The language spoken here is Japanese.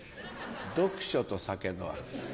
読書と酒の秋。